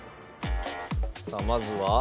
さあまずは？